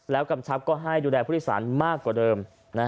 แล้วกำชับก็ให้ดูแลพฤติศาลมากกว่าเดิม